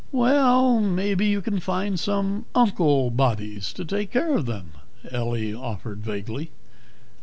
"Well, maybe you can find some unclebodies to take care of them," Ellie offered vaguely.